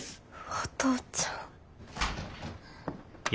お父ちゃん。